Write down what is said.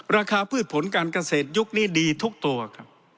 พืชผลการเกษตรยุคนี้ดีทุกตัวครับ